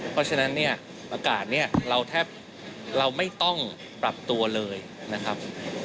เพราะฉะนั้นเนี่ยอากาศเนี่ยเราแทบเราไม่ต้องปรับตัวเลยนะครับ